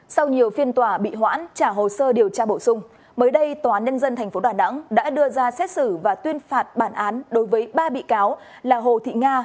sau nhiều phiên tòa bị hoãn trả hồ sơ điều tra bổ sung mới đây tòa nhân dân tp đà nẵng đã đưa ra xét xử và tuyên phạt bản án đối với ba bị cáo là hồ thị nga